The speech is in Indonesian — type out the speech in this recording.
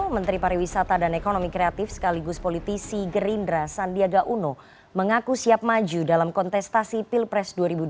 menteri pariwisata dan ekonomi kreatif sekaligus politisi gerindra sandiaga uno mengaku siap maju dalam kontestasi pilpres dua ribu dua puluh